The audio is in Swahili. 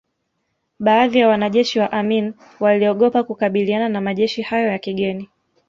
Baadhi wa wanajeshi wa Amin waliogopa kukabiliana na majeshi hayo ya kigeni